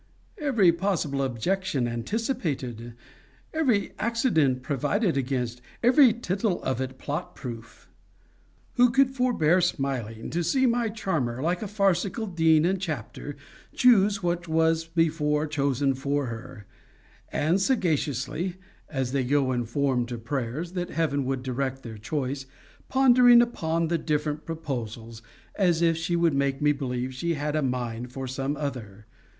Every possible objection anticipated! Every accident provided against! Every tittle of it plot proof! Who could forbear smiling, to see my charmer, like a farcical dean and chapter, choose what was before chosen for her; and sagaciously (as they go in form to prayers, that Heaven would direct their choice) pondering upon the different proposals, as if she would make me believe she had a mind for some other?